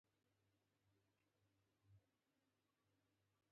د جګړې د ژبې داغونه مې لیدلي دي.